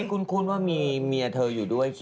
คุ้นว่ามีเมียเธออยู่ด้วย